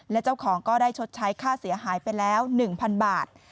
และเจ้าของก็ได้ชดใช้ค่าเสียหายไปแล้ว๑๐๐๐บาท